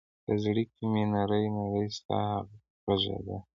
په زړه کې مــــــې نـــری نـــری ستار غـــــږیده